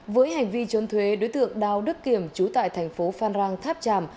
với hành vi chốn thuế đối tượng đào đức kiểm chú tại thành phố phan rang tháp tràm